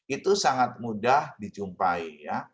itu sangat mudah dijumpai